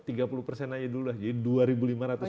tiga puluh persen aja dulu lah jadi dua ribu lima ratus